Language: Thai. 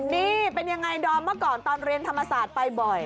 นี่เป็นยังไงดอมเมื่อก่อนตอนเรียนธรรมศาสตร์ไปบ่อย